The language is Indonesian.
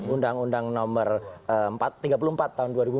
undang undang nomor tiga puluh empat tahun dua ribu empat